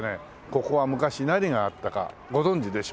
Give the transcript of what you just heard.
ここは昔何があったかご存じでしょうか？